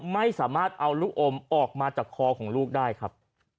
ไม่สามารถเอาลูกอมออกมาจากคอของลูกได้ครับ